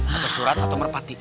atau surat atau merpati